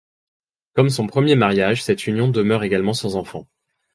Comme son premier mariage cette union demeure également sans enfant.